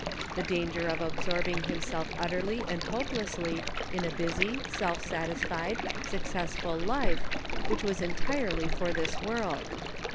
The danger of absorbing himself utterly and hopelessly in a busy, self satisfied, successful life, which was entirely for this world.